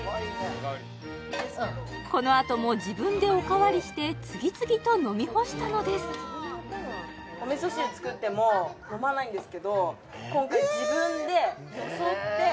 このあとも自分でおかわりして次々と飲み干したのですっていうのはホントです！